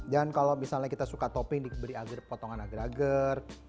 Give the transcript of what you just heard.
dan kalau misalnya kita suka topping diberi potongan agar agar